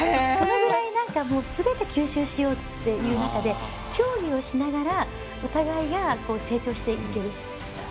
そのぐらいすべて吸収しようっていう中で競技をしながらお互いが成長していける。